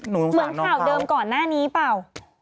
เหมือนข่าวเดิมก่อนหน้านี้เปล่า